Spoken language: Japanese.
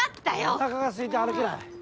お腹がすいて歩けない。